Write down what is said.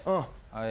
はい。